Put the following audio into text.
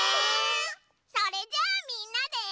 それじゃあみんなで。